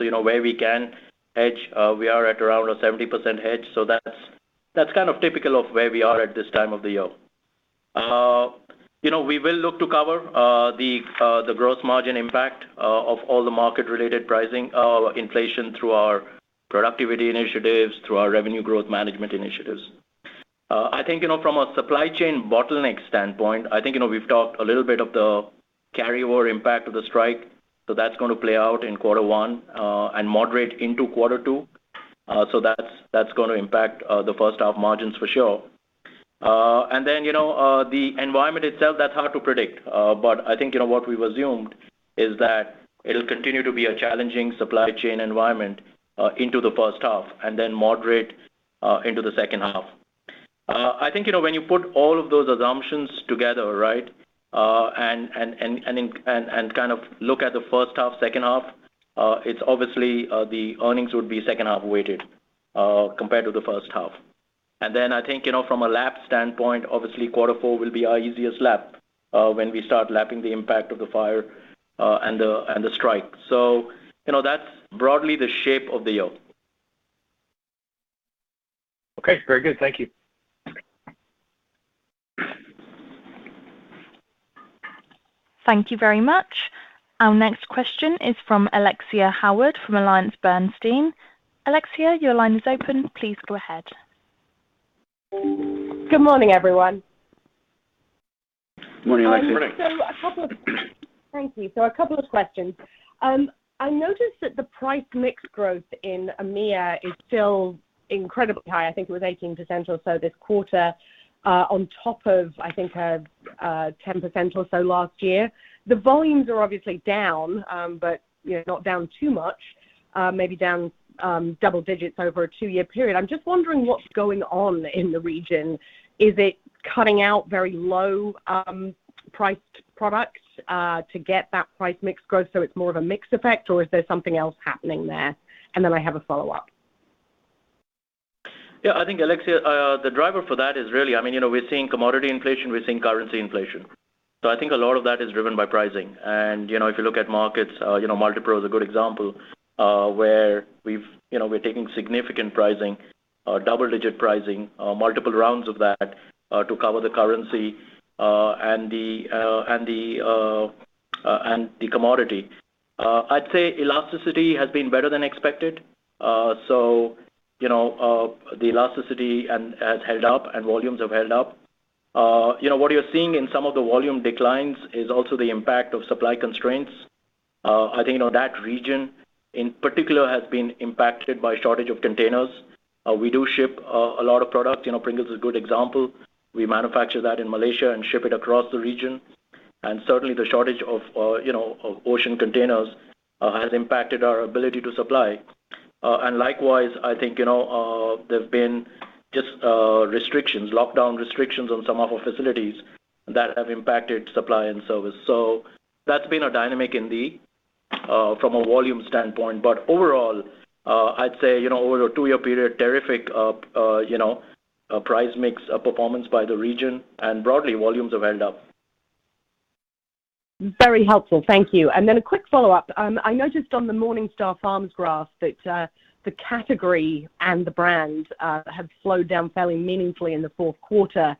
You know, where we can hedge, we are at around a 70% hedge. That's kind of typical of where we are at this time of the year. You know, we will look to cover the growth margin impact of all the market related pricing inflation through our productivity initiatives, through our revenue growth management initiatives. I think, you know, from a supply chain bottleneck standpoint, I think, you know, we've talked a little bit of the carryover impact of the strike, so that's gonna play out in quarter one and moderate into quarter two. So that's gonna impact the first half margins for sure. You know, the environment itself, that's hard to predict. I think, you know, what we've assumed is that it'll continue to be a challenging supply chain environment into the first half and then moderate into the second half. I think, you know, when you put all of those assumptions together, right, and kind of look at the first half, second half, it's obviously the earnings would be second half weighted, compared to the first half. Then I think, you know, from a lap standpoint, obviously quarter four will be our easiest lap, when we start lapping the impact of the fire, and the strike. You know, that's broadly the shape of the year. Okay. Very good. Thank you. Thank you very much. Our next question is from Alexia Howard from AllianceBernstein. Alexia, your line is open. Please go ahead. Good morning, everyone. Morning, Alexia. Good morning. Thank you. A couple of questions. I noticed that the price mix growth in AMEA is still incredibly high. I think it was 18% or so this quarter, on top of, I think, a 10% or so last year. The volumes are obviously down, but, you know, not down too much, maybe down double digits over a two-year period. I'm just wondering what's going on in the region. Is it cutting out very low priced products to get that price mix growth, so it's more of a mix effect, or is there something else happening there? I have a follow-up. Yeah, I think, Alexia, the driver for that is really, I mean, you know, we're seeing commodity inflation, we're seeing currency inflation. I think a lot of that is driven by pricing. You know, if you look at markets, you know, Multipro is a good example, where we've, you know, we're taking significant pricing, double-digit pricing, multiple rounds of that, to cover the currency, and the commodity. I'd say elasticity has been better than expected. So you know, the elasticity has held up and volumes have held up. You know, what you're seeing in some of the volume declines is also the impact of supply constraints. I think, you know, that region in particular has been impacted by shortage of containers We do ship a lot of product. You know, Pringles is a good example. We manufacture that in Malaysia and ship it across the region. Certainly the shortage of, you know, ocean containers has impacted our ability to supply. Likewise, I think, you know, there've been just restrictions, lockdown restrictions on some of our facilities that have impacted supply and service. That's been a dynamic indeed from a volume standpoint. Overall, I'd say, you know, over a two-year period, terrific, you know, price mix performance by the region and broadly volumes have held up. Very helpful. Thank you. Then a quick follow-up. I noticed on the MorningStar Farms graph that the category and the brand have slowed down fairly meaningfully in the fourth quarter.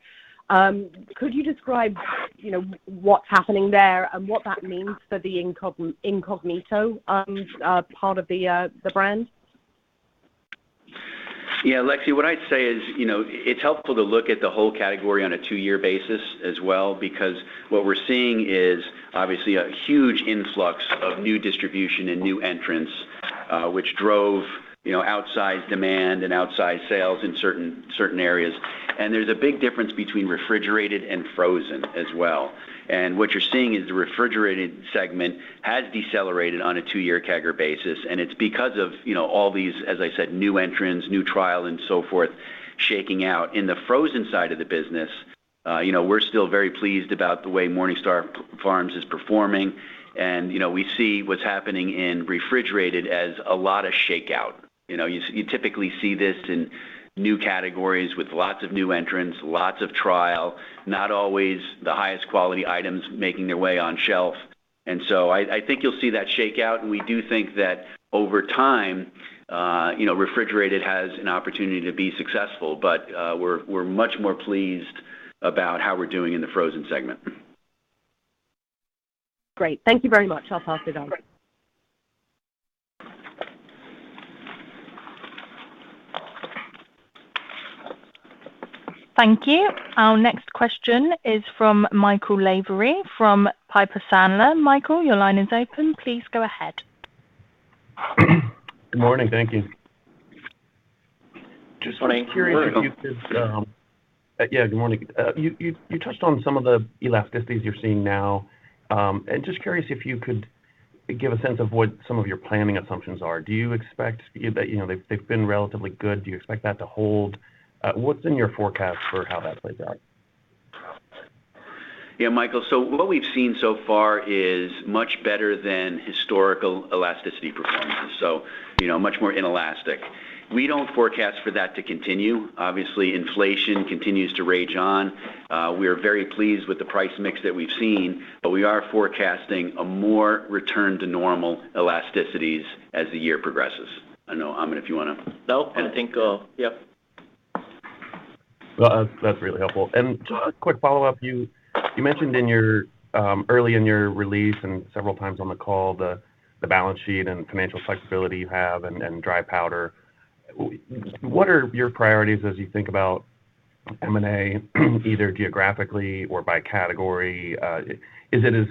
Could you describe, you know, what's happening there and what that means for the Incogmeato part of the brand? Yeah, Alexia, what I'd say is, you know, it's helpful to look at the whole category on a two-year basis as well, because what we're seeing is obviously a huge influx of new distribution and new entrants, which drove, you know, outsized demand and outsized sales in certain areas. There's a big difference between refrigerated and frozen as well. What you're seeing is the refrigerated segment has decelerated on a two-year CAGR basis, and it's because of, you know, all these, as I said, new entrants, new trial and so forth, shaking out. In the frozen side of the business, you know, we're still very pleased about the way MorningStar Farms is performing. You know, we see what's happening in refrigerated as a lot of shakeout. You know, you typically see this in new categories with lots of new entrants, lots of trial, not always the highest quality items making their way on shelf. I think you'll see that shakeout, and we do think that over time, you know, refrigerated has an opportunity to be successful, but we're much more pleased about how we're doing in the frozen segment. Great. Thank you very much. I'll pass it on. Thank you. Our next question is from Michael Lavery from Piper Sandler. Michael, your line is open. Please go ahead. Good morning. Thank you. Just wondering. Good morning. Yeah, good morning. You touched on some of the elasticities you're seeing now. Just curious if you could give a sense of what some of your planning assumptions are. Do you expect they've been relatively good. Do you expect that to hold? What's in your forecast for how that plays out? Yeah, Michael. What we've seen so far is much better than historical elasticity performances, so, you know, much more inelastic. We don't forecast for that to continue. Obviously, inflation continues to rage on. We are very pleased with the price mix that we've seen, but we are forecasting a more return to normal elasticities as the year progresses. I know, Amit, if you wanna- No, I think, yeah. Well, that's really helpful. Just a quick follow-up, you mentioned in your early in your release and several times on the call the balance sheet and financial flexibility you have and dry powder. What are your priorities as you think about M&A, either geographically or by category? Is it as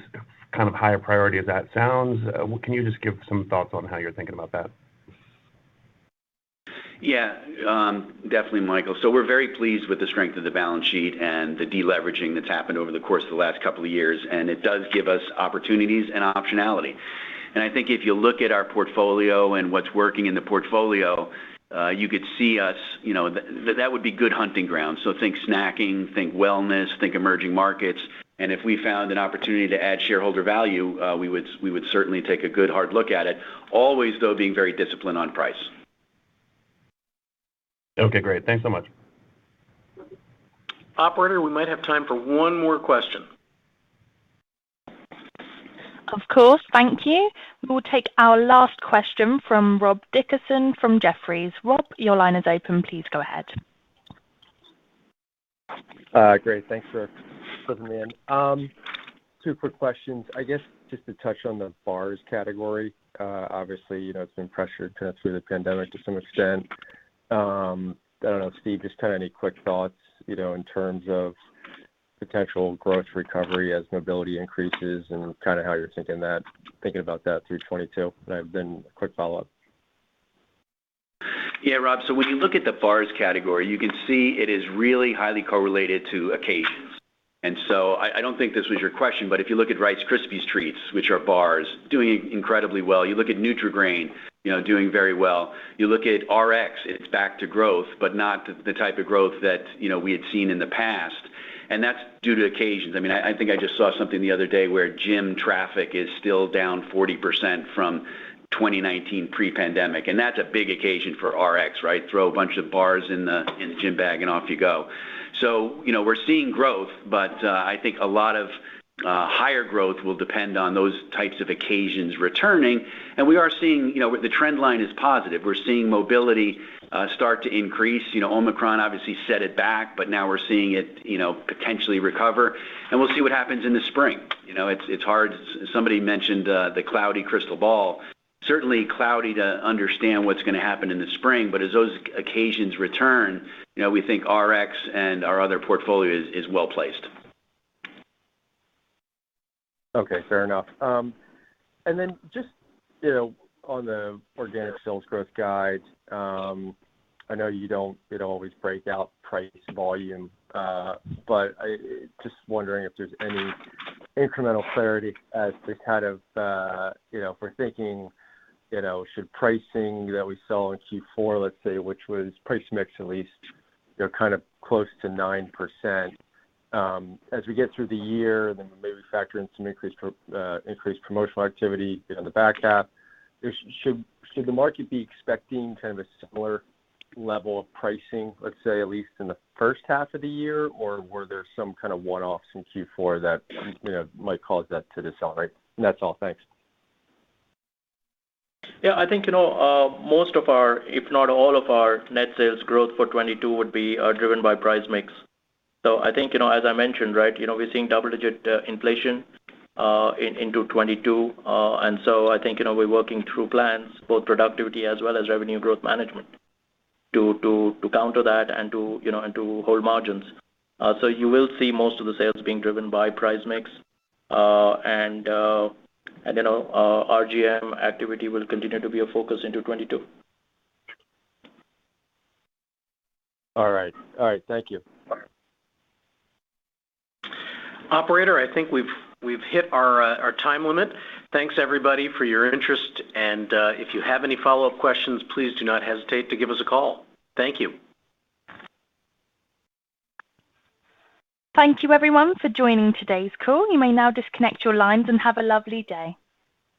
kind of high a priority as that sounds? Can you just give some thoughts on how you're thinking about that? Yeah, definitely, Michael. We're very pleased with the strength of the balance sheet and the de-leveraging that's happened over the course of the last couple of years, and it does give us opportunities and optionality. I think if you look at our portfolio and what's working in the portfolio, you could see us that would be good hunting ground. Think snacking, think wellness, think emerging markets, and if we found an opportunity to add shareholder value, we would certainly take a good hard look at it. Always, though, being very disciplined on price. Okay, great. Thanks so much. Operator, we might have time for one more question. Of course. Thank you. We'll take our last question from Rob Dickerson from Jefferies. Rob, your line is open. Please go ahead. Great. Thanks for fitting me in. two quick questions. I guess, just to touch on the bars category, obviously, you know, it's been pressured kind of through the pandemic to some extent. I don't know, Steve, just kinda any quick thoughts, you know, in terms of potential growth recovery as mobility increases and kind of how you're thinking about that through 2022? A quick follow-up. Yeah, Rob. When you look at the bars category, you can see it is really highly correlated to occasions. I don't think this was your question, but if you look at Rice Krispies Treats, which are bars, doing incredibly well. You look at Nutri-Grain, you know, doing very well. You look at RXBAR, it's back to growth, but not the type of growth that, you know, we had seen in the past. That's due to occasions. I mean, I think I just saw something the other day where gym traffic is still down 40% from 2019 pre-pandemic, and that's a big occasion for RXBAR, right? Throw a bunch of bars in the gym bag and off you go. You know, we're seeing growth, but I think a lot of higher growth will depend on those types of occasions returning. We are seeing, you know, the trend line is positive. We're seeing mobility start to increase. You know, Omicron obviously set it back, but now we're seeing it, you know, potentially recover. We'll see what happens in the spring. You know, it's hard. Somebody mentioned the cloudy crystal ball. Certainly cloudy to understand what's gonna happen in the spring, but as those occasions return, you know, we think RXBAR and our other portfolio is well-placed. Okay, fair enough. And then just, you know, on the organic sales growth guide, I know you don't, you know, always break out price volume, but just wondering if there's any incremental clarity as to kind of, you know, if we're thinking, you know, should pricing that we saw in Q4, let's say, which was price mix, at least, you know, kind of close to 9%. As we get through the year, then maybe factor in some increased promotional activity, you know, in the back half. Should the market be expecting kind of a similar level of pricing, let's say, at least in the first half of the year? Or were there some kind of one-offs in Q4 that, you know, might cause that to decelerate? And that's all. Thanks. Yeah, I think, you know, most of our, if not all of our net sales growth for 2022 would be driven by price mix. I think, you know, as I mentioned, right, you know, we're seeing double-digit inflation into 2022. I think, you know, we're working through plans, both productivity as well as revenue growth management to counter that and, you know, to hold margins. You will see most of the sales being driven by price mix. You know, RGM activity will continue to be a focus into 2022. All right, thank you. Operator, I think we've hit our time limit. Thanks, everybody, for your interest. If you have any follow-up questions, please do not hesitate to give us a call. Thank you. Thank you, everyone, for joining today's call. You may now disconnect your lines and have a lovely day.